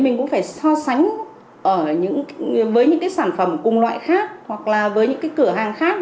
mình cũng phải so sánh với những cái sản phẩm cùng loại khác hoặc là với những cái cửa hàng khác